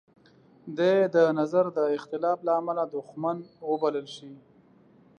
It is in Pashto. دی د نظر د اختلاف لامله دوښمن وبلل شي.